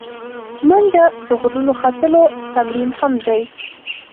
منډه د غرونو ختلو تمرین هم دی